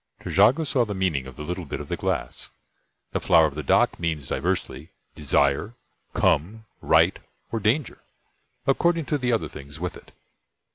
Trejago saw the meaning of the little bit of the glass. The flower of the dhak means diversely "desire," "come," "write," or "danger," according to the other things with it.